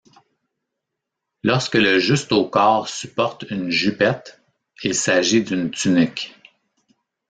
Lorsque le justaucorps supporte une jupette, il s'agit d'une tunique.